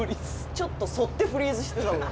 ちょっと反ってフリーズしてたもん。